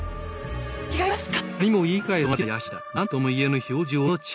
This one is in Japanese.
違いますか！？